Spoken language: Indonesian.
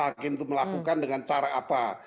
hakim itu melakukan dengan cara apa